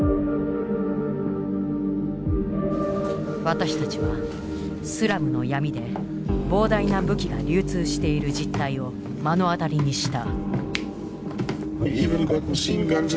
私たちはスラムの闇で膨大な武器が流通している実態を目の当たりにした。